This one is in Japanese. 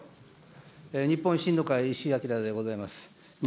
日本維新の会、石井章でございます。